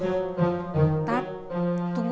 kan pengen banget